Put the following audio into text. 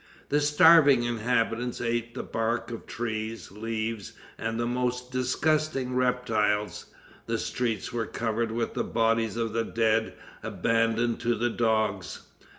The starving inhabitants ate the bark of trees, leaves and the most disgusting reptiles. The streets were covered with the bodies of the dead, abandoned to the dogs.